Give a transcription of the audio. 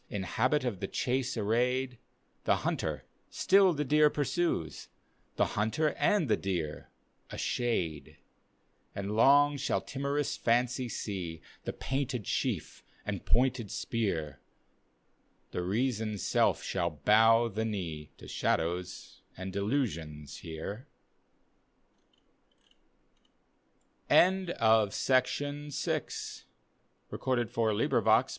In habit of the chase arrayed, The hunter still the deer pursues. The hunter and the deer — a shade) And long shall timorous Fancy see The painted chief and pointed spear, The Reason's self shall bow the biee To shadows and delusions here.